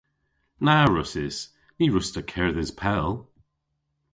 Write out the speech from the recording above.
Na wrussys. Ny wruss'ta kerdhes pell.